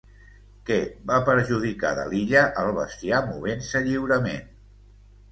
Què va perjudicar de l'illa el bestiar movent-se lliurement?